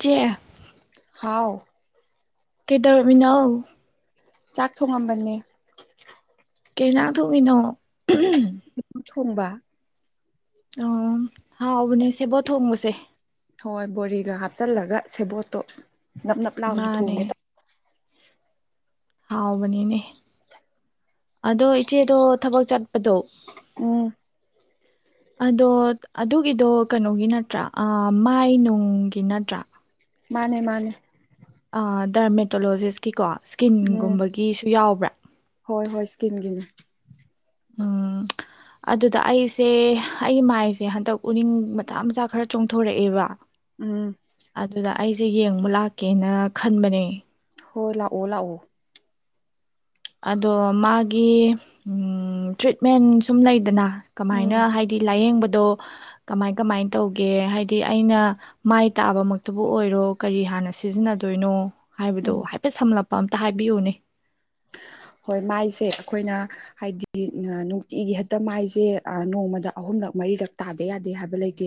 ꯆꯦ ꯍꯥꯎ ꯀꯩꯗꯧꯔꯝꯃꯤꯅꯣ ꯆꯥꯛ ꯊꯣꯡꯉꯝꯕꯅꯦ ꯀꯩꯅꯥꯥ ꯊꯣꯛꯏꯤꯅꯣ ꯁꯤ ꯊꯣꯡꯕ ꯑ ꯍꯥꯎꯕꯅꯦ ꯁꯦꯕꯣꯠ ꯊꯣꯡꯕꯁꯦ ꯍꯣꯏ ꯕꯣꯔꯤꯒ ꯍꯥꯞꯆꯜꯂꯒ ꯁꯦꯕꯣꯠꯇꯣ ꯅꯞ ꯅꯞ ꯂꯥꯡꯅ ꯃꯥꯅꯦ ꯊꯣꯡꯉꯦ ꯇꯧ ꯍꯥꯎꯕꯅꯤꯅꯦ ꯑꯗꯣ ꯏꯆꯦꯗꯣ ꯊꯕꯛ ꯆꯠꯄꯗꯣ ꯑꯝ [unintelligible] ꯑꯗꯣ ꯑꯗꯨꯒꯤꯗꯣ ꯀꯩꯅꯣꯒꯤ ꯅꯠꯇ꯭ꯔꯥ ꯃꯥꯏ ꯅꯨꯡꯒꯤ ꯅꯠꯇ꯭ꯔꯥ ꯃꯥꯅꯦ ꯃꯥꯅꯦ ꯗꯔꯃꯦꯇꯣꯂꯣꯖꯤꯁꯀꯤꯀꯣ ꯎꯝ ꯁ꯭ꯀꯤꯟꯒꯨꯝꯕꯒꯤꯁꯨ ꯌꯥꯎꯕ꯭ꯔꯥ ꯍꯣꯏ ꯍꯣꯏ ꯁ꯭ꯀꯤꯝꯒꯤꯅꯦ ꯎꯝ ꯑꯗꯨꯗ ꯑꯩꯁꯦ ꯑꯩ ꯃꯥꯏꯁꯦ ꯍꯟꯗꯛ ꯎꯅꯤꯡ ꯃꯆꯥ ꯃꯆꯥ ꯈꯔ ꯆꯣꯡꯊꯣꯔꯛꯑꯦꯕ ꯎꯝ ꯑꯗꯨꯗ ꯑꯩꯁꯦ ꯌꯦꯡꯕꯨ ꯂꯥꯛꯀꯦꯅ ꯈꯟꯕꯅꯦ ꯍꯣ ꯂꯥꯛꯑꯣ ꯂꯥꯛꯑꯣ ꯑꯗꯣ ꯃꯥꯒꯤ ꯇ꯭ꯔꯤꯠꯃꯦꯟ ꯁꯨꯝ ꯂꯩꯗꯅ ꯎꯝ ꯀꯃꯥꯏꯅ ꯍꯥꯏ ꯍꯥꯏꯗꯤ ꯂꯥꯏꯌꯦꯡꯕꯗꯣ ꯀꯃꯥꯏ ꯀꯃꯥꯏ ꯇꯧꯒꯦ ꯍꯥꯏꯗꯤ ꯑꯩꯅ ꯃꯥꯏ ꯇꯥꯕꯃꯛꯇꯕꯨ ꯑꯣꯏꯔꯣ ꯀꯔꯤ ꯍꯥꯟꯅ ꯁꯤꯖꯤꯟꯅꯗꯣꯏꯅꯣ ꯍꯥꯏꯕꯗꯣ ꯎꯝ ꯍꯥꯏꯐꯦꯠ ꯁꯝꯂꯞꯄ ꯑꯝꯇ ꯍꯥꯏꯕꯤꯌꯨꯅꯦ ꯍꯣꯏ ꯃꯥꯏꯁꯦ ꯑꯩꯈꯣꯏꯅ ꯍꯥꯏꯗꯤ ꯅꯨꯡꯇꯤꯒꯤ ꯍꯦꯛꯇ ꯃꯥꯏꯁꯦ ꯅꯣꯡꯃꯗ ꯑꯍꯨꯝꯂꯛ ꯃꯔꯤꯔꯛ ꯇꯥꯗ ꯌꯥꯗꯦ ꯍꯥꯏꯕ ꯂꯩꯇꯦ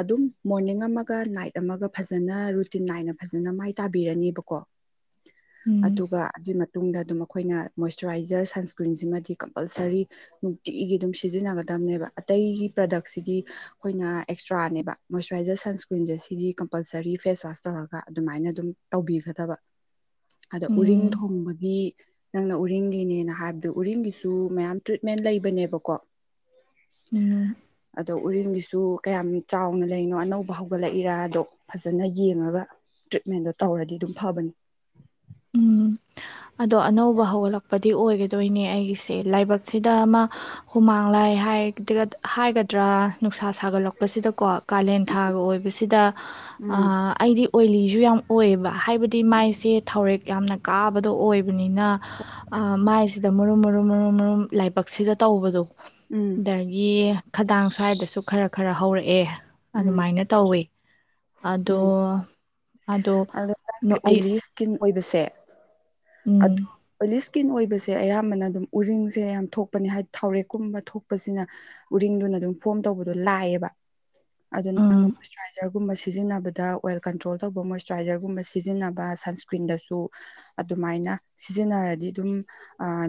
ꯑꯗꯨꯝ ꯃꯣꯔꯅꯤꯡ ꯑꯃꯒ ꯅꯥꯏꯠ ꯑꯃꯒ ꯐꯖꯅ ꯔꯨꯇꯤꯟ ꯅꯥꯏꯅ ꯐꯖꯅ ꯃꯥꯏ ꯇꯥꯕꯤꯔꯅꯦꯕꯀꯣ [unintelligible] ꯎꯝ ꯑꯗꯨꯒ ꯑꯗꯨꯒꯤ ꯃꯇꯨꯡꯗ ꯑꯗꯨꯝ ꯑꯩꯈꯣꯏꯅ ꯃꯣꯏꯆꯔꯥꯏꯖꯔ ꯁꯟꯁ꯭ꯀ꯭ꯔꯤꯟꯁꯤꯃꯗꯤ ꯀꯝꯄꯜꯁꯔꯤ ꯅꯨꯡꯇꯤꯒꯤ ꯑꯗꯨꯝ ꯁꯤꯖꯤꯟꯅꯒꯗꯕꯅꯦꯕ ꯑꯇꯩꯒꯤ ꯄ꯭ꯔꯗꯛꯁꯤꯗꯤ ꯑꯩꯈꯣꯏꯅ ꯑꯦꯛꯁꯇ꯭ꯔꯥꯅꯦꯕ ꯃꯣꯏꯆꯔꯥꯏꯖꯔ ꯁꯟꯁꯀ꯭ꯔꯤꯟꯁꯦ ꯁꯤꯗꯤ ꯀꯝꯄꯜꯁꯔꯤ ꯐꯦꯁꯋꯥꯁ ꯇꯧꯔꯒ ꯑꯗꯨꯃꯥꯏꯅ ꯑꯗꯨꯝ ꯇꯧꯕꯤꯒꯗꯕ ꯑꯗ ꯎꯔꯤꯡ ꯎꯝ ꯊꯨꯡꯕꯒꯤ ꯅꯪꯅ ꯎꯔꯤꯡꯒꯤꯅꯦꯅ ꯍꯥꯏꯕꯗꯨꯣ ꯎꯔꯤꯡꯒꯤꯁꯨ ꯃꯌꯥꯝ ꯇ꯭ꯔꯤꯠꯃꯦꯟ ꯂꯩꯕꯅꯦꯕꯀꯣ ꯎꯝ ꯑꯗꯣ ꯎꯔꯤꯡꯒꯤꯁꯨ ꯀꯌꯥꯝ ꯆꯥꯎꯅ ꯂꯩꯅꯣ ꯑꯅꯧꯕ ꯍꯧꯒꯠꯂꯛꯏꯔꯗꯣ ꯐꯖꯅ ꯌꯦꯡꯉꯒ ꯇ꯭ꯔꯤꯠꯃꯦꯟꯗꯣ ꯇꯧꯔꯗꯤ ꯑꯗꯨꯝ ꯐꯕꯅꯤ ꯎꯝ ꯑꯗꯣ ꯑꯅꯧꯕ ꯍꯧꯒꯠꯂꯛꯄꯗꯤ ꯑꯣꯏꯒꯗ ꯆ ꯇꯣꯏꯅꯦ ꯑꯩꯒꯤꯁꯦ ꯂꯥꯏꯕꯛꯁꯤꯗ ꯑꯃ ꯍꯨꯃꯥꯡ ꯂꯥꯏꯒ ꯅꯠꯇ꯭ꯔꯥ ꯅꯨꯡꯁꯥ ꯁꯥꯒꯠꯂꯛꯄꯁꯤꯗꯀꯣ ꯀꯥꯂꯦꯟ ꯊꯥꯒ ꯑꯣꯏꯕꯁꯤꯗ ꯎꯝ ꯑꯩꯗꯤ ꯑꯣꯏꯂꯤꯁꯨ ꯌꯥꯝ ꯑꯣꯏꯌꯦꯕ ꯍꯥꯏꯕꯗꯤ ꯎꯝ ꯃꯥꯏꯁꯦ ꯊꯧꯔꯦꯛ ꯌꯥꯝꯅ ꯀꯥꯕꯗꯣ ꯑꯣꯏ ꯑꯣꯏꯕꯅꯤꯅ ꯃꯥꯏꯁꯤꯗ ꯃꯔꯨꯝ ꯃꯔꯨꯝ ꯃꯔꯨꯝ ꯃꯔꯨꯝ ꯂꯥꯏꯕꯛꯁꯤꯗ ꯇꯧꯕꯗꯣ ꯎꯝ ꯑꯗꯒꯤ ꯈꯗꯥꯡ ꯁ꯭ꯋꯥꯏꯗꯁꯨ ꯈꯔ ꯈꯔ ꯍꯧꯔꯛꯑꯦ ꯎꯝ ꯑꯗꯨꯃꯥꯏꯅ ꯇꯧꯋꯤ ꯑꯗꯣ ꯑꯗꯣ ꯅꯣ ꯒꯤ ꯑꯩ ꯑꯣꯏ ꯏꯁꯀꯤꯟ ꯑꯣꯏꯕꯁꯦ ꯑ ꯎꯝ ꯑꯣꯏ [inaudible] ꯏꯁꯀꯤꯟ ꯑꯣꯏꯕꯁꯦ ꯑꯌꯥꯝꯕꯅ ꯑꯗꯨꯝ ꯎꯔꯤꯡꯁꯦ ꯌꯥꯝ ꯊꯣꯛꯄꯅꯦ ꯍꯥꯏꯗꯤ ꯊꯥꯎꯔꯦꯛꯀꯨꯝꯕ ꯊꯣꯛꯄꯁꯤꯅ ꯎꯔꯤꯡꯗꯨꯅ ꯑꯗꯨꯝ ꯐꯣꯝ ꯇꯧꯕꯗꯣ ꯂꯥꯛꯑꯦꯕ ꯑꯗꯨ ꯎꯝ ꯅꯪꯅ ꯃꯣꯏꯆꯔꯥꯏꯖꯔꯒꯨꯝꯕ ꯁꯤꯖꯤꯟꯅꯕꯗ ꯑꯣꯏꯜ ꯀꯟꯇ꯭ꯔꯣꯜ ꯑꯆꯧꯕ ꯃꯣꯏꯆꯨꯔꯥꯏꯖꯔꯒꯨꯝꯕ ꯁꯤꯖꯤꯟꯅꯕ ꯁꯟꯁꯀ꯭ꯔꯤꯟꯗꯁꯨ ꯑꯗꯨꯃꯥꯏꯅ ꯁꯤꯖꯤꯟꯅꯔꯗꯤ ꯑꯗꯨꯝ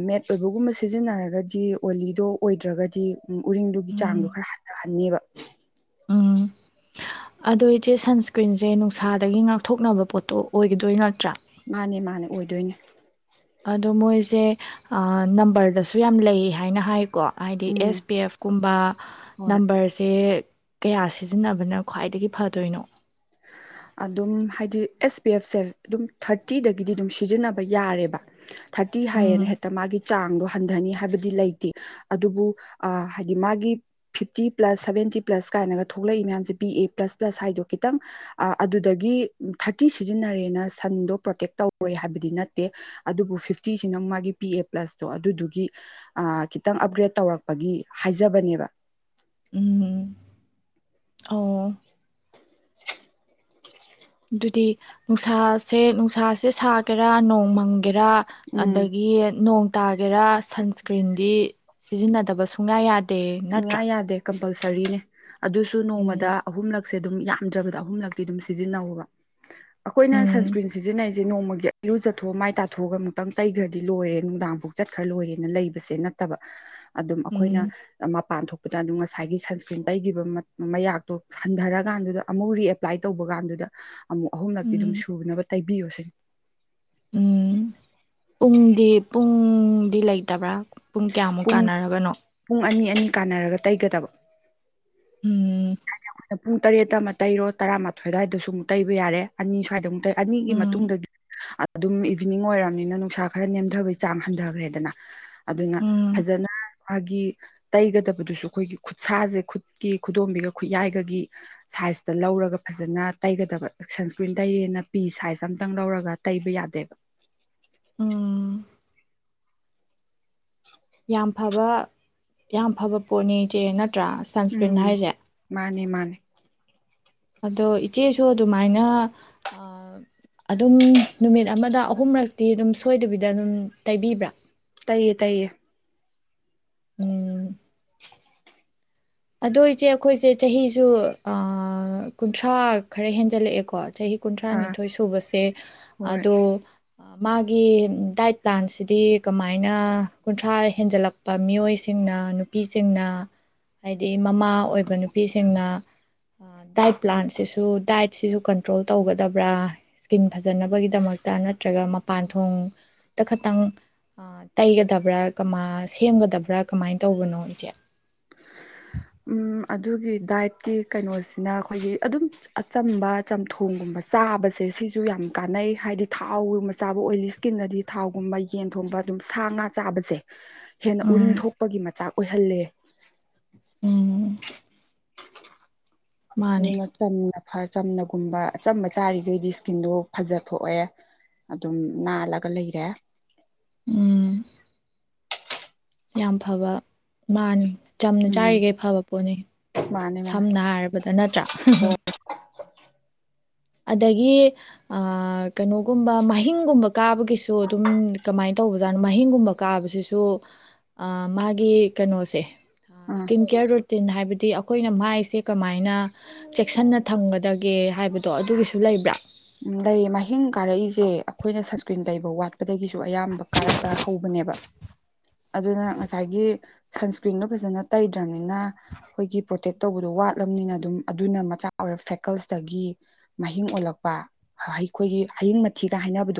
ꯃꯦꯠ ꯑꯣꯏꯕꯒꯨꯝꯕ ꯁꯤꯖꯤꯟꯅꯔꯒꯗꯤ ꯑꯣꯏꯂꯤꯗꯣ ꯑꯣꯏꯗ꯭ꯔꯒꯗꯤ ꯎꯔꯤꯡꯗꯨꯒꯤ ꯎꯝ ꯆꯥꯡꯗꯣ ꯈꯔ ꯍꯥꯟꯅꯤꯕ ꯎꯝ ꯑꯗꯣ ꯏꯆꯦ ꯁꯟꯁ꯭ꯀ꯭ꯔꯤꯟꯁꯦ ꯅꯨꯡꯁꯥꯗꯒꯤ ꯉꯥꯛꯊꯣꯛꯅꯕ ꯄꯣꯠꯇꯣ ꯑꯣꯏꯒꯗꯣꯏ ꯅꯠꯇ꯭ꯔꯥ ꯃꯥꯅꯦ ꯃꯥꯅꯦ ꯑꯣꯏꯗꯣꯏꯅꯦ ꯑꯗꯣ ꯃꯣꯏꯁꯦ ꯅꯝꯕꯔꯗꯁꯨ ꯌꯥꯝ ꯂꯩ ꯍꯥꯏꯅ ꯍꯥꯏ ꯀꯣ ꯍꯥꯏꯗꯤ ꯎꯝ ꯑꯦꯁ ꯄꯤ ꯑꯦꯐ ꯀꯨꯝꯕ ꯍꯣꯏ ꯅꯝꯕꯔꯁꯦ ꯀꯌꯥ ꯁꯤꯖꯤꯟꯅꯕꯅ ꯈ꯭ꯋꯥꯏꯗꯒꯤ ꯐꯗꯣꯏꯅꯣ ꯑꯗꯨꯝ ꯍꯥꯏꯗꯤ ꯑꯦꯁ ꯄꯤ ꯑꯦꯐꯁꯦ ꯑꯗꯨꯝ ꯊꯥꯔꯇꯤꯗꯒꯤꯗꯤ ꯑꯗꯨꯝ ꯁꯤꯖꯤꯟꯅꯕ ꯌꯥꯔꯦꯕ ꯊꯥꯔꯇꯤ ꯍꯥꯏꯔꯦꯅ ꯎꯝ ꯍꯦꯛꯇ ꯃꯥꯒꯤ ꯆꯥꯡꯗꯣ ꯍꯟꯊꯅꯤ ꯍꯥꯏꯕꯗꯤ ꯂꯩꯇꯦ ꯑꯗꯨꯕꯨ ꯑ ꯍꯥꯏꯗꯤ ꯃꯥꯒꯤ ꯐꯤꯐꯇꯤ ꯄ꯭ꯂꯁ ꯁꯦꯚꯦꯟꯇꯤ ꯄ꯭ꯂꯁ ꯀꯥꯏꯅꯒ ꯊꯣꯛꯂꯛꯏ ꯃꯌꯥꯝꯁꯦ ꯕꯤ ꯑꯦ ꯄ꯭ꯂꯁ ꯄ꯭ꯂꯁ ꯍꯥꯏꯗꯣ ꯈꯤꯇꯪ ꯑꯗꯨꯗꯒꯤ ꯊꯥꯔꯇꯤ ꯁꯤꯖꯤꯟꯅꯔꯦꯅ ꯁꯟꯗꯣ ꯄ꯭ꯔꯣꯇꯦꯛ ꯇꯧꯔꯦ ꯍꯥꯏꯕꯗꯤ ꯅꯠꯇꯦ ꯑꯗꯨꯕꯨ ꯐꯤꯐꯇꯤꯁꯤꯅ ꯃꯥꯒꯤ ꯄꯤ ꯑꯦ ꯄ꯭ꯂꯁꯇꯣ ꯑꯗꯨꯗꯨꯒꯤ ꯑ ꯈꯤꯇꯪ ꯑꯞꯒ꯭ꯔꯦꯗ ꯇꯧꯔꯛꯄꯒꯤ ꯍꯥꯏꯖꯕꯅꯦꯕ ꯎꯝ ꯑꯣ ꯑꯗꯨꯗꯤ ꯅꯨꯡꯁꯥꯁꯦ ꯅꯨꯡꯁꯥꯁꯦ ꯁꯥꯒꯦꯔꯥ ꯅꯣꯡ ꯃꯪꯒꯦꯔꯥ ꯎꯝ ꯑꯗꯒꯤ ꯅꯣꯡ ꯇꯥꯒꯦꯔꯥ ꯁꯟꯁꯀ꯭ꯔꯤꯟꯗꯤ ꯁꯤꯖꯤꯟꯅꯗꯕ ꯁꯨꯡꯌꯥ ꯌꯥꯗꯦ ꯅꯠꯇ꯭ꯔꯥ ꯁꯨꯡꯌꯥ ꯌꯥꯗꯦ ꯀꯝꯄꯜꯁꯔꯤꯅꯦ ꯑꯗꯨꯁꯨ ꯅꯣꯡꯃꯗ ꯎꯝ ꯑꯍꯨꯝꯂꯛꯁꯦ ꯑꯗꯨꯝ ꯌꯥꯝꯗ꯭ꯔꯕꯗ ꯑꯍꯨꯝꯂꯛꯇꯤ ꯑꯗꯨꯝ ꯁꯤꯖꯤꯟꯅꯕ ꯑꯩꯈꯣꯏꯅ ꯎꯝ ꯁꯟꯁꯀ꯭ꯔꯤꯟ ꯁꯤꯖꯤꯟꯅꯩꯁꯦ ꯁꯦ ꯅꯣꯡꯃꯒꯤ ꯑꯂꯨ ꯆꯠꯊꯣꯛꯑ ꯃꯥꯏ ꯇꯥꯊꯣꯛꯑꯒ ꯑꯃꯨꯛꯇꯪ ꯇꯩꯈ꯭ꯔꯗꯤ ꯂꯣꯏꯔꯦ ꯅꯨꯡꯗꯥꯡꯐꯥꯎ ꯆꯠꯈ꯭ꯔ ꯂꯣꯏꯔꯦꯅ ꯂꯩꯕꯁꯦ ꯅꯠꯇꯕ [unintelligible] ꯑꯗꯨꯝ ꯑꯩꯈꯣꯏꯅ ꯎꯝ ꯃꯄꯥꯟ ꯊꯣꯛꯄꯗ ꯑꯗꯨ ꯉꯁꯥꯏꯒꯤ ꯁꯟꯁꯀ꯭ꯔꯤꯟ ꯇꯩꯈꯤꯕ ꯃꯌꯥꯛꯇꯣ ꯍꯟꯊꯔꯀꯥꯟꯗꯨꯗ ꯑꯃꯨꯛ ꯔꯤꯑꯞ ꯑꯦꯄ꯭ꯂꯥꯏ ꯇꯧꯕ ꯀꯥꯟꯗꯨꯗ ꯑꯃꯨꯛ ꯑꯍꯨꯝꯂꯛꯇꯤ ꯑꯗꯨꯝ ꯎꯝ ꯁꯨꯅꯕ ꯇꯩꯕꯤꯌꯨ ꯁꯤꯅꯤ ꯎꯝ ꯄꯨꯡꯗꯤ ꯄꯨꯡꯗꯤ ꯂꯩꯇꯕ꯭ꯔꯥ ꯄꯨꯡ ꯀꯌꯥꯃꯨꯛ ꯄꯨꯡ ꯀꯥꯟꯅꯔꯒꯅꯣ ꯄꯨꯡ ꯑꯅꯤ ꯑꯅꯤ ꯀꯥꯟꯅꯔꯒ ꯇꯩꯒꯗꯕ ꯎꯝ ꯑ ꯄꯨꯡ ꯇꯔꯦꯠꯇ ꯑꯃ ꯇꯩꯔꯣ ꯇꯔꯥꯃꯥꯊꯣꯏ ꯑꯗꯨꯋꯥꯏꯗꯁꯨꯨꯛ ꯇꯩ ꯌꯥꯔꯦ ꯑꯅꯤ ꯁ꯭ꯋꯥꯏꯗ ꯑꯃꯨꯛ ꯇꯩꯔ ꯑꯅꯤꯒꯤ ꯃꯇꯨꯡ ꯎꯝ ꯑꯗꯨꯝ ꯏꯚꯤꯅꯤꯡ ꯑꯣꯏꯔꯕꯝꯅꯤꯅ ꯅꯨꯡꯁꯥ ꯈꯔ ꯅꯦꯝꯊꯕꯩ ꯆꯥꯡ ꯍꯟꯊꯈ꯭ꯔꯦꯗꯅ ꯑꯗꯨꯅ ꯎꯝ ꯐꯖꯅ ꯃꯥꯒꯤ ꯇꯩꯒꯗꯕꯗꯨꯁꯨ ꯑꯩꯈꯣꯏꯒꯤ ꯈꯨꯠꯁꯥꯁꯦ ꯈꯨꯠꯀꯤ ꯈꯨꯗꯣꯝꯕꯤꯒ ꯈꯨꯠꯌꯥꯏꯒꯒꯤ ꯁꯥꯏꯖꯇ ꯂꯧꯔꯒ ꯐꯖꯅ ꯇꯩꯒꯗꯕ ꯁꯟꯁꯀ꯭ꯔꯤꯟ ꯇꯩꯔꯦꯅ ꯄꯤ ꯁꯥꯏꯖ ꯑꯇꯪ ꯂꯧꯔꯒ ꯇꯩꯕ ꯌꯥꯗꯦ ꯎꯝ [unintelligible] ꯌꯥꯝ ꯐꯕ ꯌꯥꯝ ꯐꯕ ꯄꯣꯠꯅꯤ ꯏꯆꯦ ꯅꯠꯇ꯭ꯔꯥ ꯁꯟꯁ꯭ꯀ꯭ꯔꯤꯟ ꯎꯝ ꯍꯥꯏꯖꯦ ꯃꯥꯅꯦ ꯃꯥꯅꯦ ꯑꯗꯣ ꯏꯆꯦꯁꯨ ꯑꯗꯨꯃꯥꯏꯅ ꯑꯥ ꯑ ꯑꯗꯨꯝ ꯅꯨꯃꯤꯠ ꯑꯃꯗ ꯑꯍꯨꯝꯔꯛꯇꯤ ꯑꯗꯨꯝ ꯁꯣꯏꯗꯕꯤꯗ ꯑꯗꯨꯝ ꯇꯩꯕꯤꯕ꯭ꯔꯥ ꯇꯩꯌꯦ ꯇꯩꯌꯦ ꯑꯝ ꯑꯗꯣ ꯏꯆꯦ ꯑꯈꯣꯏꯁꯦ ꯆꯍꯤꯁꯨ ꯑꯥ ꯀꯨꯟꯊ꯭ꯔꯥ ꯈꯔ ꯍꯦꯟꯖꯜꯂꯛꯑꯦꯀꯣ ꯆꯍꯤ ꯑꯥ ꯀꯨꯟꯊ꯭ꯔꯥꯅꯤꯊꯣꯏ ꯁꯨꯕꯁꯦ ꯍꯣꯏ ꯑꯗꯣ ꯃꯥꯒꯤ ꯗꯥꯏꯠ ꯄ꯭ꯂꯥꯟꯁꯤꯗꯤ ꯀꯃꯥꯏꯅ ꯀꯨꯟꯊ꯭ꯔꯥ ꯍꯦꯟꯖꯜꯂꯛ ꯄꯥ ꯃꯤꯑꯣꯏꯁꯤꯡꯅ ꯅꯨꯄꯤꯁꯤꯡꯅ ꯍꯥꯏꯗꯤ ꯃꯃꯥ ꯑꯣꯏꯕ ꯅꯨꯄꯤꯁꯤꯡꯅ ꯗꯥꯏꯠ ꯄ꯭ꯂꯥꯟꯁꯤꯁꯨ ꯗꯥꯏꯠ ꯁꯤꯁꯨ ꯀꯟꯇ꯭ꯔꯣꯜ ꯇꯧꯒꯗꯕ꯭ꯔꯥ ꯁ꯭ꯀꯤꯟ ꯐꯖꯅꯕꯒꯤꯗꯃꯛꯇ ꯅꯠꯇ꯭ꯔꯒ ꯃꯥ ꯄꯥꯟꯊꯣꯡꯗ ꯈꯇꯪ ꯑꯥ ꯇꯩꯒꯗꯕ꯭ꯔꯥ ꯀꯃꯥ ꯁꯦꯝꯒꯗꯕ꯭ꯔꯥ ꯀꯃꯥꯏꯅ ꯇꯧꯕꯅꯣ ꯏꯆꯦ ꯎꯝ ꯑꯗꯨꯒꯤ ꯗꯥꯏꯠꯀꯤ ꯀꯩꯅꯣꯁꯤꯅ ꯑꯩꯈꯣꯏꯒꯤ ꯑꯗꯨꯝ ꯑꯆꯝꯕ ꯆꯝꯊꯣꯡꯒꯨꯝꯕ ꯆꯥꯕꯁꯦ ꯁꯤꯁꯨ ꯌꯥꯝ ꯀꯥꯟꯅꯩ ꯍꯥꯏꯗꯤ ꯊꯥꯎꯒꯨꯝꯕ ꯆꯥꯕ ꯑꯣꯏꯂꯤ ꯁ꯭ꯀꯤꯟꯅꯗꯤ ꯊꯥꯎꯒꯨꯝꯕ ꯌꯦꯟ ꯊꯣꯡꯕ ꯑꯗꯨꯝ ꯁꯥ ꯉꯥ ꯆꯥꯕꯖꯦ [inaudible] ꯍꯦꯟꯅ ꯎꯔꯤꯡ ꯊꯣꯛꯄꯒꯤ ꯃꯆꯥꯛ ꯑꯣꯏꯍꯜꯂꯦ ꯎꯝ [unintelligible] ꯃꯥꯅꯦ ꯎꯝꯅ ꯆꯝꯅ ꯆꯝꯅꯒꯨꯝꯕ ꯑꯆꯝꯕ ꯆꯥꯔꯤꯒꯩꯗꯤ ꯁ꯭ꯀꯤꯟꯗꯣ ꯐꯖꯊꯣꯛ ꯑꯦ ꯑꯗꯨꯝ ꯅꯥꯜꯂꯒ ꯂꯩꯔꯦ ꯎꯝ ꯌꯥꯝ ꯐꯕ ꯃꯥꯅꯤ ꯆꯝꯅ ꯎꯝ ꯆꯥꯔꯤꯒꯩ ꯐꯕ ꯄꯣꯠꯅꯤ ꯃꯥꯅꯦ ꯃꯥꯅꯦ ꯁꯝꯅ ꯍꯥꯏꯔꯕꯗ ꯅꯠꯇ꯭ꯔꯥ ꯍꯣꯏ ꯑꯗꯒꯤ ꯑꯥ ꯀꯩꯅꯣꯒꯨꯝꯕ ꯃꯍꯤꯡꯒꯨꯝꯕ ꯀꯥꯕꯒꯤꯁꯨ ꯑꯗꯨꯝ ꯀꯃꯥꯏ ꯇꯧꯕꯖꯥꯠꯅꯣ ꯃꯍꯤꯡꯒꯨꯝꯕ ꯀꯥꯕꯁꯤꯁꯨ ꯑꯥ ꯃꯥꯒꯤ ꯀꯩꯅꯣꯖꯦ ꯑꯥ ꯁ꯭ꯀꯤꯟ ꯀꯦꯌꯔ ꯔꯨꯇꯤꯟ ꯍꯥꯏꯕꯗꯤ ꯑꯈꯣꯏꯅ ꯃꯥꯏꯁꯦ ꯀꯃꯥꯏꯅ ꯆꯦꯛꯁꯟꯅ ꯊꯝꯒꯗꯒꯦ ꯍꯥꯏꯕꯗꯣ ꯑꯗꯨꯒꯤꯁꯨ ꯂꯩꯕ꯭ꯔꯥ ꯎꯝ ꯂꯩꯌꯦ ꯃꯍꯤꯡ ꯀꯥꯔꯛꯏꯖꯦ ꯑꯈꯣꯏꯅ ꯁꯟꯁ꯭ꯀ꯭ꯔꯤꯟ ꯇꯩꯕ ꯋꯥꯠ ꯑꯗꯒꯤꯁꯨ ꯑꯌꯥꯝꯕ ꯀꯥꯔꯛꯇ ꯍꯧꯕꯅꯦꯕ ꯑꯗꯨꯅ ꯉꯁꯥꯏꯒꯤ ꯁꯟꯁ꯭ꯀ꯭ꯔꯤꯟꯗꯣ ꯐꯖꯅ ꯇꯩꯗ꯭ꯔꯝꯅꯤꯅ ꯈꯣꯏꯒꯤ ꯄ꯭ꯔꯣꯇꯦꯛ ꯇꯧꯕꯗꯣ ꯋꯥꯠꯂꯝꯅꯤꯅ ꯑꯗꯨꯝ ꯑꯗꯨꯅ ꯃꯆꯥ ꯑꯣꯏꯔ ꯐꯦꯀꯜꯁꯇꯒꯤ ꯃꯍꯤꯡ ꯑꯣꯜꯂꯛꯄ ꯍꯩꯈꯣꯏꯒꯤ ꯍꯌꯤꯡ ꯃꯊꯤꯒ ꯍꯥꯏꯅꯕ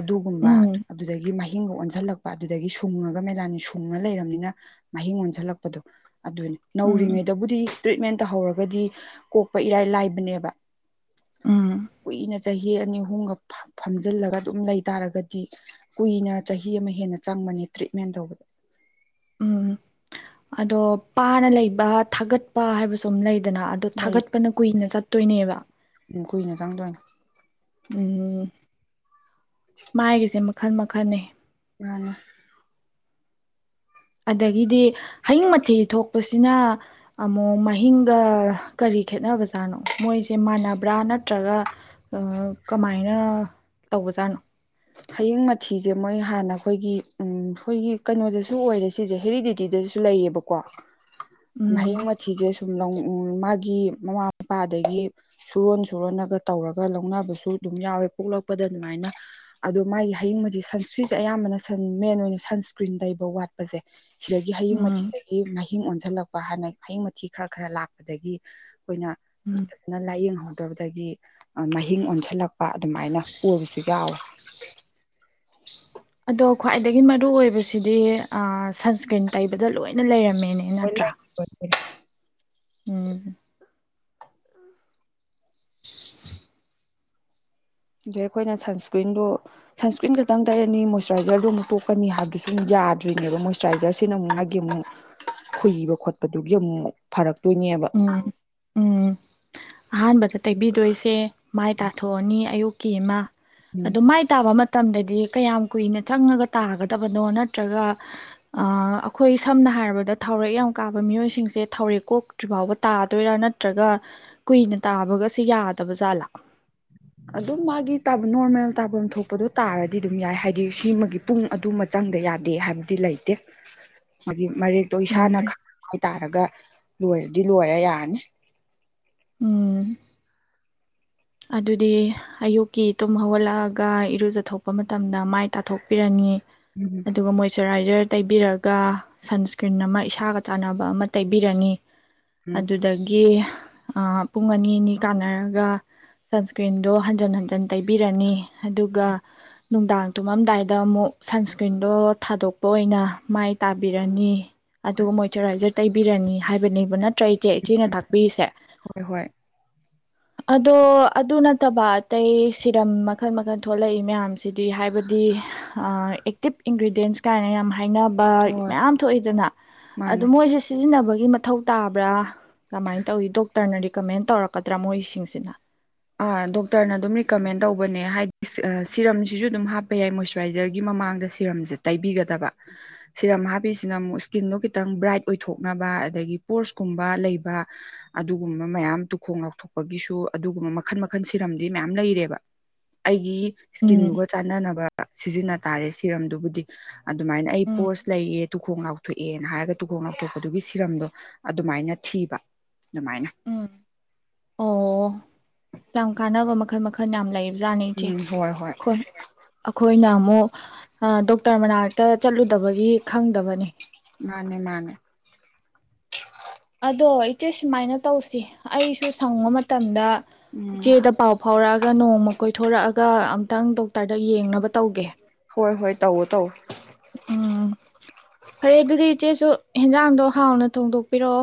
ꯑꯗꯨꯒꯨꯝꯕ ꯎꯝ ꯑꯗꯨꯗꯒꯤ ꯃꯍꯤꯡꯒ ꯑꯣꯟꯖꯜꯂꯛ ꯄꯥ ꯑꯗꯨꯗꯒꯤ ꯁꯨꯡꯉꯒ ꯃꯦꯂꯥꯅꯤꯟ ꯁꯨꯡꯉ ꯂꯩꯔꯝꯅꯤꯅ ꯃꯍꯤꯡ ꯑꯣꯟꯖꯜꯂꯛꯄꯗꯣ ꯑꯗꯨꯅꯤ ꯎꯝ ꯅꯧꯔꯤꯉꯩꯗꯕꯨꯗꯤ ꯇ꯭ꯔꯤꯠꯃꯦꯟ ꯇꯧꯍꯧꯔꯒꯗꯤ ꯀꯣꯛꯄ ꯏꯔꯥꯏ ꯂꯥꯏꯕꯅꯦꯕ ꯎꯝ ꯀꯨꯏꯅ ꯆꯍꯤ ꯑꯅꯤ ꯑꯍꯨꯝꯒ ꯐꯝꯖꯜꯂꯒ ꯑꯗꯨꯝ ꯂꯩ ꯇꯥꯔꯒꯗꯤ ꯀꯨꯏꯅ ꯆꯍꯤ ꯑꯃ ꯍꯦꯟꯅ ꯆꯪꯕꯅꯦ ꯇ꯭ꯔꯤꯠꯃꯦꯟ ꯇꯧꯕꯗ ꯎꯝ ꯑꯗꯣ ꯄꯥꯅ ꯂꯩꯕ ꯊꯥꯒꯠꯄ ꯍꯥꯏꯕꯁꯨ ꯑꯝ ꯂꯩꯗꯅ ꯑꯗꯣ ꯂꯩ ꯊꯥꯒꯠꯄꯅ ꯀꯨꯏꯅ ꯆꯠ ꯇꯣꯏꯅꯦꯕ ꯎꯝ ꯀꯨꯏꯅ ꯆꯪꯗꯣꯏꯅꯦ ꯎꯝ ꯃꯥꯏꯒꯤꯁꯦ ꯃꯈꯜ ꯃꯈꯜꯅꯤ ꯃꯅꯦ ꯑꯗꯒꯤꯗꯤ ꯍꯌꯤꯡ ꯃꯊꯤ ꯊꯣꯛꯄꯁꯤꯅ ꯑꯃꯣꯡ ꯃꯍꯤꯡꯒ ꯀꯔꯤ ꯈꯦꯠꯅꯕꯖꯥꯠꯅꯣ ꯃꯣꯏꯖꯦ ꯃꯥꯟꯅꯕ꯭ꯔꯥ ꯅꯠꯇ꯭ꯔꯒ ꯑꯥ ꯀꯃꯥꯏꯅ ꯇꯧꯕꯖꯥꯠꯅꯣ ꯍꯌꯤꯡ ꯃꯊꯤꯖꯦ ꯃꯣꯏ ꯍꯥꯟꯅ ꯈꯣꯏꯒꯤ ꯎꯝ ꯈꯣꯏꯒꯤ ꯀꯩꯅꯣꯗꯖꯨ ꯑꯣꯏꯔꯦ ꯁꯤꯁꯦ ꯍꯦꯔꯤꯗꯤ ꯒꯤꯗꯁꯨ ꯂꯩꯌꯦꯕꯥꯀꯣ [inaudible] ꯍꯌꯦꯡ ꯃꯊꯤꯁꯦ ꯁꯨꯝ ꯃꯥꯒꯤ ꯃꯃꯥ ꯃꯄꯥꯗꯒꯤ ꯁꯨꯔꯣꯟ ꯁꯨꯔꯣꯟꯂꯒ ꯇꯧꯔꯒ ꯂꯧꯅꯕꯁꯨ ꯑꯗꯨꯝ ꯌꯥꯎꯋꯦ ꯄꯣꯛꯂꯛꯄꯗ ꯑꯗꯨꯃꯥꯏꯅ ꯑꯗꯣ ꯃꯥꯒꯤ ꯍꯌꯤꯡꯕꯗꯤ ꯁꯟꯁꯀ꯭ꯔꯤꯟꯁꯦ ꯑꯌꯥꯝꯕꯅ ꯁꯟ ꯃꯦꯟ ꯑꯣꯏꯅ ꯁꯟꯁ꯭ꯀ꯭ꯔꯤꯟ ꯇꯩꯕ ꯋꯥꯠꯄꯁꯦ ꯁꯤꯗꯒꯤ ꯍꯌꯤꯡ ꯎꯝ ꯃꯊꯤꯗꯒꯤ ꯃꯍꯤꯡ ꯑꯣꯟꯁꯤꯜꯂꯛꯄ ꯍꯥꯏꯅ ꯍꯌꯤꯡ ꯃꯊꯤ ꯈꯔ ꯈꯔ ꯂꯥꯛꯄꯗꯒꯤ ꯑꯈꯣꯏꯅ ꯎꯝ ꯅ ꯂꯥꯏꯌꯦꯡꯍꯧꯗꯕꯗꯒꯤ ꯃꯍꯤꯡ ꯑꯣꯟꯁꯜꯂꯛꯄ ꯑꯗꯨꯃꯥꯏꯅ ꯑꯣꯏꯕꯁꯨ ꯌꯥꯎꯋꯦ [unintelligible] ꯑꯗꯣ ꯈ꯭ꯋꯥꯏꯗꯒꯤ ꯃꯔꯨꯑꯣꯏꯕꯁꯤꯗꯤ ꯑ ꯁꯟꯁ꯭ꯀ꯭ꯔꯤꯟ ꯇꯩꯕꯗ ꯂꯣꯏꯅ ꯂꯩꯔꯝꯃꯦꯅꯦ ꯅꯠꯇ꯭ꯔꯥ [unintelligible] ꯎꯝ ꯑꯗꯩ ꯑꯈꯣꯏꯅ ꯁꯟꯁꯀ꯭ꯔꯤꯟꯗꯨ ꯁꯟꯁꯀ꯭ꯔꯤꯟ ꯈꯛꯇꯪ ꯇꯩꯔꯅꯤ ꯃꯣꯏꯆꯔꯥꯏꯖꯔꯗꯣ ꯑꯃꯨꯛ ꯇꯣꯛꯀꯅꯤ ꯍꯥꯏꯕꯗꯨꯁꯨ ꯌꯥꯗ꯭ꯔꯤꯅꯦꯕ ꯃꯣꯏꯆꯔꯥꯏꯖꯔꯁꯤꯅ ꯑꯃꯨꯛ ꯃꯥꯒꯤ ꯑꯃꯨꯛ [inaudible] ꯈꯨꯏꯕ ꯈꯣꯠꯄꯗꯨꯒꯤ ꯑꯃꯨꯛ ꯐꯔꯛꯇꯣꯏꯅꯦꯕ ꯎꯝ ꯎꯝ ꯑꯍꯥꯟꯕꯗ ꯇꯩꯕꯤꯗꯣꯏꯁꯦ ꯃꯥꯏ ꯇꯥꯊꯣꯛꯑꯅꯤ ꯑꯌꯨꯛꯀꯤ ꯑꯃ ꯎꯝ ꯑꯗꯣ ꯃꯥꯏ ꯇꯥꯕ ꯃꯇꯝꯗꯗꯤ ꯀꯌꯥꯝ ꯀꯨꯏꯅ ꯆꯪꯉꯒ ꯇꯥꯒꯗꯕꯅꯣ ꯅꯠꯇ꯭ꯔꯒ ꯑꯈꯣꯏ ꯁꯝꯅ ꯍꯥꯏꯔꯕꯗ ꯊꯥꯎꯔꯦꯛ ꯌꯥꯝ ꯀꯥꯕ ꯃꯤꯑꯣꯏꯁꯤꯡꯁꯦ ꯊꯥꯎꯔꯦꯛ ꯀꯣꯛ ꯇ꯭ꯔꯤ ꯐꯥꯎꯕ ꯇꯥꯗꯣꯏꯔꯥ ꯅꯠꯇ꯭ꯔꯒ ꯀꯨꯏꯅ ꯇꯥꯕꯒꯁꯦ ꯌꯥꯗꯕ ꯖꯥꯠꯂꯥ ꯑꯗꯨꯝ ꯃꯥꯒꯤ ꯇꯥꯕ ꯅꯣꯔꯃꯦꯜ ꯇꯥꯐꯝ ꯊꯣꯛꯄꯗꯣ ꯇꯥꯔꯗꯤ ꯑꯗꯨꯝ ꯌꯥꯏ ꯍꯥꯏꯗꯤ ꯁꯤꯃꯒꯤ ꯄꯨꯡ ꯑꯗꯨꯃ ꯆꯪꯗ ꯌꯥꯗꯦ ꯍꯥꯏꯕꯗꯤ ꯂꯩꯇꯦ ꯍꯥꯏꯒꯤ ꯃꯔꯦꯛ ꯑꯗꯣ ꯏꯁꯥꯅ ꯎꯝ ꯈꯪ ꯍꯥꯏꯇꯥꯔꯒ ꯂꯣꯏꯔꯗꯤ ꯂꯣꯏꯔꯦ ꯌꯥꯔꯅꯤ ꯎꯝ ꯑꯗꯨꯗꯤ ꯑꯌꯨꯛꯀꯤ ꯇꯨꯝ ꯍꯧꯒꯠꯂꯛꯑꯒ ꯏꯔꯨꯖꯊꯣꯛꯄ ꯃꯇꯝꯗ ꯃꯥꯏ ꯇꯥꯊꯣꯛꯄꯤꯔꯅꯤ ꯎꯝ ꯑꯗꯨꯒ ꯃꯣꯏ ꯃꯣꯏꯆꯔꯥꯏꯖꯔ ꯇꯩꯕꯤꯔꯒ ꯁꯟꯁ꯭ꯀ꯭ꯔꯤꯟ ꯑꯃ ꯏꯁꯥꯒ ꯆꯥꯟꯅꯕ ꯑꯃ ꯇꯩꯕꯤꯔꯅꯤ ꯎꯝ ꯑꯗꯨꯗꯒꯤ ꯄꯨꯡ ꯑꯅꯤ ꯑꯅꯤ ꯀꯥꯟꯅꯔꯒ ꯁꯟꯁꯀ꯭ꯔꯤꯟꯗꯣ ꯍꯟꯖꯟ ꯍꯟꯖꯤꯟ ꯇꯩꯕꯤꯔꯅꯤ ꯑꯗꯨꯒ ꯅꯨꯡꯗꯥꯡ ꯇꯨꯝꯃꯝꯗꯥꯏꯗ ꯑꯃꯨꯛ ꯁꯟꯁꯀ꯭ꯔꯤꯟꯗꯣ ꯊꯥꯗꯣꯛꯄ ꯑꯣꯏꯅ ꯃꯥꯏ ꯇꯥꯕꯤꯔꯅꯤ ꯑꯗꯨꯒ ꯃꯣꯏꯆꯔꯥꯏꯖꯔ ꯇꯩꯕꯤꯔꯅꯤ ꯍꯥꯏꯕꯅꯦꯕ ꯅꯠꯇ꯭ꯔ ꯏꯆꯦ ꯏꯆꯦꯅ ꯇꯥꯛꯄꯤꯔꯤꯁꯦ ꯍꯣꯏ ꯍꯣꯏ ꯑꯗꯣ ꯑꯗꯨ ꯅꯠꯇꯕ ꯑꯇꯩ ꯁꯤꯔꯝ ꯃꯈꯜ ꯃꯈꯜ ꯊꯣꯛꯂꯛꯏ ꯃꯌꯥꯝꯁꯤꯗꯤ ꯍꯥꯏꯕꯗꯤ ꯑꯦꯛꯇꯤꯞ ꯏꯟꯒ꯭ꯔꯤꯗꯌꯦꯟꯁ ꯀꯥꯏꯅ ꯌꯥꯝ ꯍꯥꯏꯅꯕ ꯍꯣꯏ ꯃꯌꯥꯝ ꯊꯣꯛꯏꯗꯅ ꯑꯗꯨ ꯃꯥꯅꯦ ꯃꯣꯏꯁꯦ ꯁꯤꯖꯤꯟꯅꯕꯒꯤ ꯃꯊꯧ ꯇꯥꯕ꯭ꯔꯥ ꯀꯃꯥꯏꯅ ꯇꯧꯏ ꯗꯣꯛꯇꯔꯅ ꯔꯤꯀꯃꯦꯟ ꯇꯧꯔꯛꯀꯗ꯭ꯔꯥ ꯃꯣꯏꯁꯤꯡꯁꯤꯅ ꯗꯣꯛꯇꯔꯅ ꯑꯗꯨꯝ ꯔꯤꯀꯃꯦꯟ ꯇꯧꯕꯅꯦ ꯍꯥꯏꯗꯤ ꯁꯤꯔꯝꯁꯤꯁꯨ ꯑꯗꯨꯝ ꯍꯥꯞꯄ ꯌꯥꯏ ꯃꯣꯏꯆꯔꯥꯏꯖꯔꯒꯤ ꯃꯃꯥꯡꯗ ꯁꯤꯔꯝꯁꯦ ꯇꯩꯕꯤꯒꯗꯕ ꯁꯤꯔꯝ ꯍꯥꯞꯄꯤꯁꯤꯅ ꯑꯃꯨꯛ ꯏꯁꯀꯤꯟꯗꯣ ꯈꯤꯇꯪ ꯕ꯭ꯔꯥꯏꯠ ꯑꯣꯏꯊꯣꯛꯅꯕ ꯑꯗꯒꯤ ꯄꯣꯔꯁꯀꯨꯝꯕ ꯂꯩꯕ ꯑꯗꯨꯒꯨꯝꯕ ꯃꯌꯥꯝ ꯇꯨꯈꯣꯡ ꯂꯥꯎꯊꯣꯛꯄꯒꯤꯁꯨ ꯑꯗꯨꯒꯨꯝꯕ ꯃꯈꯟ ꯃꯈꯜ ꯁꯤꯔꯝꯗꯤ ꯃꯌꯥꯝ ꯂꯩꯔꯦꯕ ꯑꯩꯒꯤ ꯎꯝ ꯏꯁꯀꯤꯟꯗꯨꯒ ꯆꯥꯟꯅꯅꯕ ꯁꯤꯖꯤꯟꯅ ꯇꯥꯔꯦ ꯁꯤꯔꯝꯗꯨꯕꯨꯗꯤ ꯑꯗꯨꯃꯥꯏꯅ ꯑꯩ ꯎꯝ ꯄꯣꯔꯁ ꯂꯩꯌꯦ ꯇꯨꯈꯣꯡ ꯂꯥꯎꯊꯣꯛꯑꯦꯅ ꯍꯥꯏꯔꯒ ꯇꯨꯈꯣꯡ ꯂꯥꯎꯊꯣꯛꯄꯗꯨꯒꯤ ꯁꯤꯔꯝꯗꯣ ꯑꯗꯨꯃꯥꯏꯅ ꯊꯤꯕ ꯑꯗꯨꯃꯥꯏꯅ ꯎꯝ ꯑꯣ ꯌꯥꯝ ꯀꯥꯟꯅꯕ ꯃꯈꯜ ꯃꯈꯜ ꯌꯥꯝ ꯂꯩ ꯖꯥꯠꯅꯤ ꯏꯆꯦ ꯎꯝ ꯍꯣꯏ ꯍꯣꯏ ꯈꫭꯏ ꯑꯈꯣꯏꯅ ꯑꯃꯨꯛ ꯗꯣꯛꯇꯔ ꯃꯅꯥꯛꯇ ꯆꯠꯂꯨꯗꯕꯒꯤ ꯈꯪꯗꯕꯅꯤ ꯃꯥꯅꯤ ꯃꯥꯅꯤ ꯑꯗꯣ ꯏꯆꯦ ꯁꯨꯃꯥꯏꯅ ꯇꯧꯁꯤ ꯑꯩꯁꯨ ꯁꯪꯕ ꯃꯇꯝꯗ ꯎꯝ ꯏꯆꯦꯗ ꯄꯥꯎ ꯐꯥꯎꯔꯛꯑꯒ ꯅꯣꯡꯃ ꯀꯣꯏꯊꯣꯔꯛꯑꯒ ꯑꯝꯇꯪ ꯗꯣꯛꯇꯔꯗ ꯌꯦꯡꯅꯕ ꯇꯧꯒꯦ ꯍꯣꯏ ꯍꯣꯏ ꯇꯧꯋꯣ ꯇꯧ ꯎꯝ ꯐꯔꯦ ꯑꯗꯨꯗꯤ ꯏꯆꯦꯁꯨ ꯍꯦꯟꯖꯥꯡꯗꯣ ꯍꯥꯎꯅ ꯊꯣꯡꯗꯣꯛꯄꯤꯑꯣ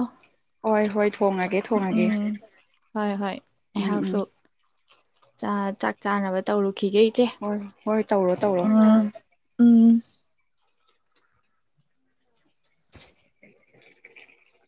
ꯍꯣꯏ ꯍꯣꯏ ꯊꯣꯡꯉꯒꯦ ꯊꯣꯡꯉꯒꯦ ꯍꯣꯏ ꯍꯣꯏ ꯎꯝ ꯑꯩꯍꯥꯛꯁꯨ ꯎꯝ ꯆꯥ ꯆꯥꯛ ꯆꯥꯅꯕ ꯇꯧꯔꯨꯈꯤꯒꯦ ꯏꯆꯦ ꯍꯣꯏ ꯍꯣꯏ ꯇꯧꯔꯣ ꯇꯧꯔꯣ ꯎꯝ ꯎꯝ [unintelligible]